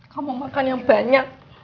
kamu makan yang banyak